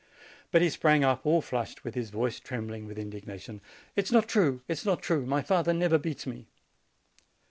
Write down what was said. But he sprang up, all flushed, with a voice trembling with indignation : "It's not true ! it's not true ! My father never beats me!"